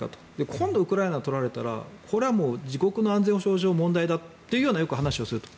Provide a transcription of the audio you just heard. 今度、ウクライナを取られたら自国の安全保障上問題だとよく話をすると。